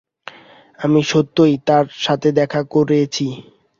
আমি সত্যিই তার সাথে দেখা করেছি।